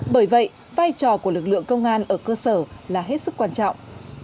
bởi vậy vai trò của lực lượng công an ở cơ sở là hết sức quan trọng